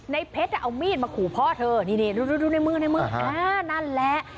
ในเพชรเอามีดมาขู่พ่อเธอนี่ดูในมือในมือนั่นแหละ